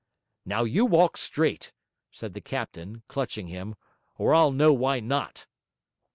'Now you walk straight,' said the captain, clutching him, 'or I'll know why not!'